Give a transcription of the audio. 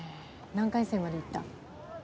何回戦までいった？